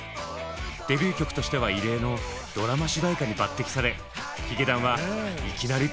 デビュー曲としては異例のドラマ主題歌に抜てきされヒゲダンはいきなりブレークを果たします。